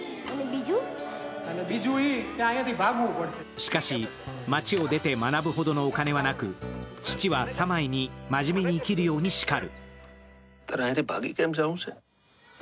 しかし、町を出て学ぶほどのお金はなく、父はサマイに真面目に生きるようにしかる。